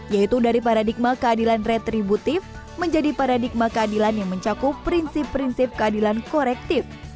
yaitu dari paradigma keadilan retributif menjadi paradigma keadilan yang mencakup prinsip prinsip keadilan korektif